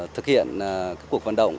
thực hiện cuộc vận động